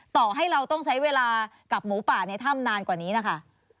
ต่อให้เราต้องใช้เวลากับหมูป่าในถ้ำนานกว่านี้นะคะ